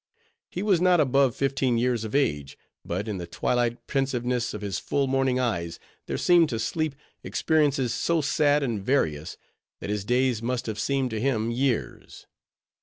He was not above fifteen years of age; but in the twilight pensiveness of his full morning eyes, there seemed to sleep experiences so sad and various, that his days must have seemed to him years.